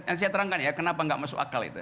yang saya terangkan ya kenapa nggak masuk akal itu